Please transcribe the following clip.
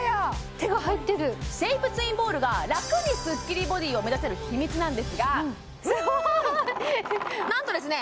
手が入ってるシェイプツインボールがラクにスッキリボディを目指せる秘密なんですがすごい！何とですね